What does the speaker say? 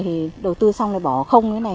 thì đầu tư xong rồi bỏ không như thế này